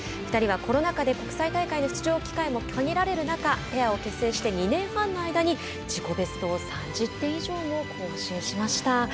２人はコロナ禍で国際大会の出場機会も限られる中ペアを結成して２年半の間に自己ベストを３０点以上も更新しました。